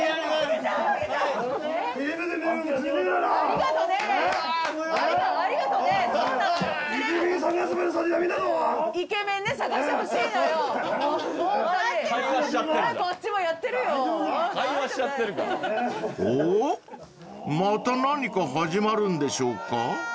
また何か始まるんでしょうか］